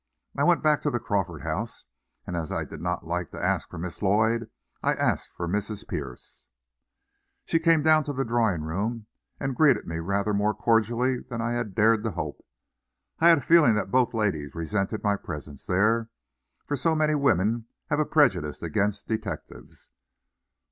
I went back to the Crawford house and as I did not like to ask for Miss Lloyd, I asked for Mrs. Pierce. She came down to the drawing room, and greeted me rather more cordially than I had dared to hope. I had a feeling that both ladies resented my presence there, for so many women have a prejudice against detectives.